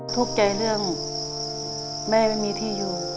ทุกข์ใจเรื่องแม่ไม่มีที่อยู่